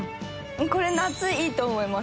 これ夏いいと思います。